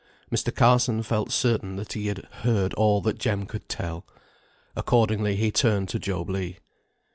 Mr. Carson felt certain that he had heard all that Jem could tell. Accordingly he turned to Job Legh.